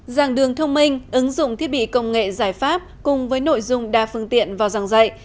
giảng đường thông minh ứng dụng thiết bị công nghệ giải pháp cùng với nội dung đa phương tiện vào giảng dạy